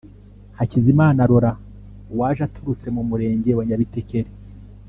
Hakizimana Laurent waje aturutse mu murenge wa Nyabitekeri